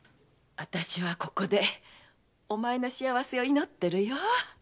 わたしはここでお前の幸せを祈ってるよ。